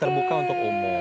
terbuka untuk umum